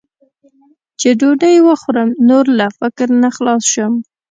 چې ډوډۍ وخورم، نور له فکر نه خلاص شم.